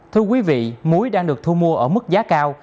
thưa quý vị muối đang được thu mua ở mức giá cao